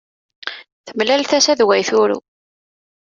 Temlal tasa d way turew.